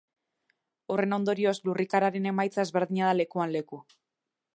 Horren ondorioz lurrikararen emaitza ezberdina da lekuan leku.